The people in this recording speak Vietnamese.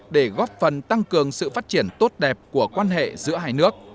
để góp phần tăng cường sự phát triển tốt đẹp của quan hệ giữa hai nước